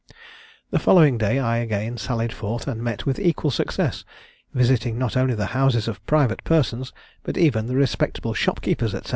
"The following day I again sallied forth and met with equal success, visiting not only the houses of private persons, but even the respectable shopkeepers, &c.